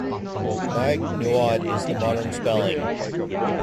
"Maigh Nuad" is the modern spelling.